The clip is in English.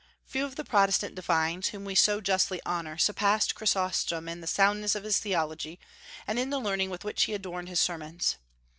Few of the Protestant divines, whom we so justly honor, surpassed Chrysostom in the soundness of his theology, and in the learning with which he adorned his sermons.